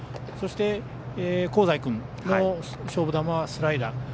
そして、香西君の勝負球はスライダー。